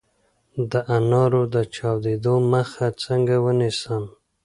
د انارو د چاودیدو مخه څنګه ونیسم؟